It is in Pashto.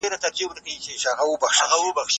الله زموږ هر یو عمل ثبتوي.